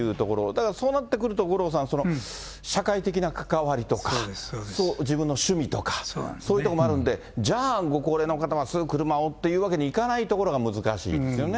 だからそうなってくると、五郎さん、社会的な関わりとか、自分の趣味とか、そういうところもあるんで、じゃあ、ご高齢の方はすぐ車をっていうわけにはいかないところが難しいんですよね。